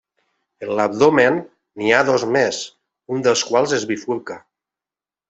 En l'abdomen n'hi ha dos més, un dels quals es bifurca.